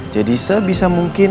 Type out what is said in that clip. jadi sebisa mungkin